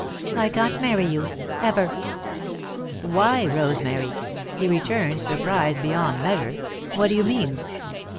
I can't marry you, ever!" "Why, Rosemary!" he returned, surprised beyond measure. "What do you mean?"